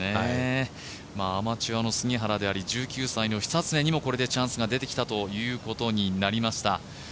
アマチュアの杉原であり１９歳の久常にもこれでチャンスが出てきたということになりました。